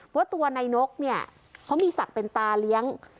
ว่าตัวนายนกเนี่ยเขามีศักดิ์เป็นตาเลี้ยง